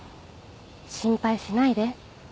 心配しないで。